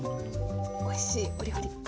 おいしいお料理